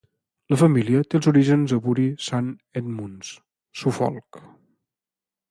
La família té els orígens a Bury Saint Edmunds, Suffolk.